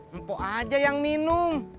empok aja yang minum